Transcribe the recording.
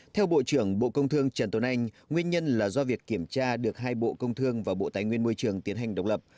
theo bộ trưởng bộ công thương trần tuấn anh nguyên nhân là do việc kiểm tra được hai bộ công thương và bộ tài nguyên môi trường tiến hành độc lập